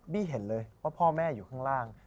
เห็นเลยว่าพ่อแม่อยู่ข้างล่าง